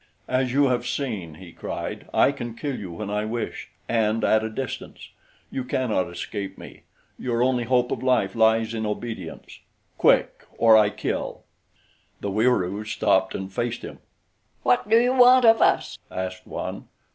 "As you have seen," he cried, "I can kill you when I wish and at a distance. You cannot escape me. Your only hope of life lies in obedience. Quick, or I kill!" The Wieroos stopped and faced him. "What do you want of us?" asked one.